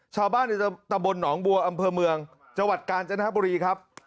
ชาวบ้านในตำบลหนองบัวอำเภอเมืองจังหวัดกาญจนบุรีครับ